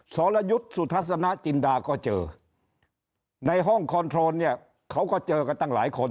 สรยุทธ์สุทัศนจินดาก็เจอในห้องคอนโทรนเนี่ยเขาก็เจอกันตั้งหลายคน